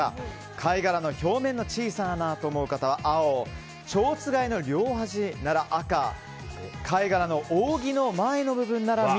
貝殻の表面の小さな穴だと思う方は青ちょうつがいの両端なら赤貝殻の扇の前の部分なら緑。